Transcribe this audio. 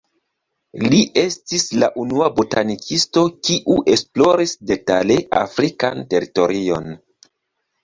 Li estis la unua botanikisto, kiu esploris detale afrikan teritorion.